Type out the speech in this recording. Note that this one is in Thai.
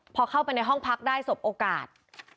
พอเข้าไปในห้องพักได้สบโอกาส